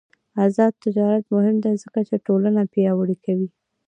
آزاد تجارت مهم دی ځکه چې ټولنه پیاوړې کوي.